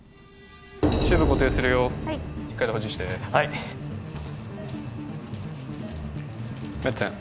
チューブ固定するよはいしっかり保持してはいメッツェン